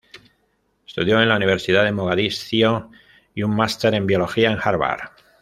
Estudió en la Universidad de Mogadiscio y un máster en biología en Harvard.